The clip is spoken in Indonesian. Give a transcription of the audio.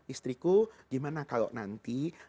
istriku gimana kalau nanti